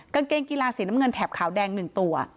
กางเกงกีฬาสีน้ำเงินแถบขาวแดง๑ตัว